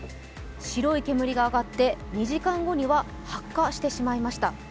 白い煙が上がって、２時間後には発火してしまいました。